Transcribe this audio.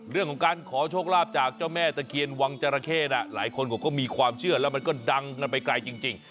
เรื่องของการขอโชคลาภจากเจ้าแม่ตะเคียนวังจราเข้น่ะหลายคนเขาก็มีความเชื่อแล้วมันก็ดังกันไปไกลจริง